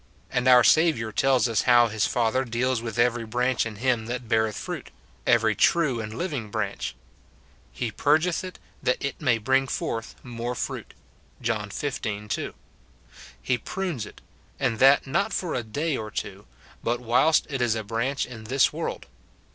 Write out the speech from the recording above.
And our Saviour tells us how his Father deals with every branch in him that beareth fruit, every true and livin^ branch. " He purgeth it, that it may bring forth moro fruit," John xv. 2. He prunes it, and that not for a day or two, but whilst it is a branch in this world.